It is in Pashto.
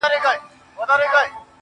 اوس مي حافظه ډيره قوي گلي.